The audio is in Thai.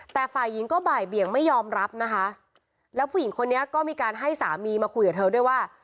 แต่ฝ่ายหญิงก็บ่ายเบี่ยงไม่ยอมรับนะคะแล้วผู้หญิงคนนี้ก็มีการให้สามีมาคุยกับเธอด้วยว่า